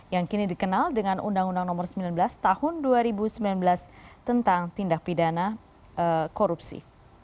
yang kini dikenal dengan undang undang nomor sembilan belas tahun dua ribu sembilan belas tentang tindak pidana korupsi